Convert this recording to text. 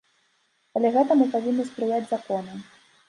Але гэтаму павінны спрыяць законы.